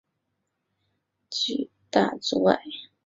复杂多样的地形给交通运输的发展造成了巨大阻碍。